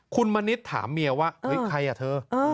คุณมณิษฐ์ถามเมียว่าเฮ้ยใครอ่ะเธอ